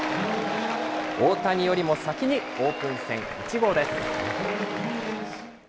大谷よりも先にオープン戦１号です。